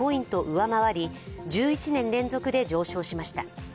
上回り１１年連続で上昇しました。